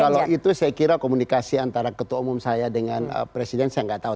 kalau itu saya kira komunikasi antara ketua umum saya dengan presiden saya nggak tahu